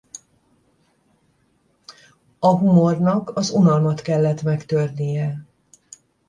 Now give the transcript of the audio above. A humornak az unalmat kellett megtörnie.